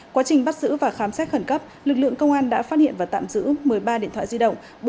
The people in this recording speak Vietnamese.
quá trình bắt giữ và khám xét khẩn cấp lực lượng công an đã phát hiện và tạm giữ một mươi ba điện thoại di động